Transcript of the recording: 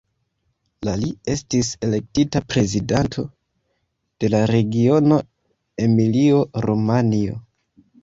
La li estis elektita prezidanto de la regiono Emilio-Romanjo.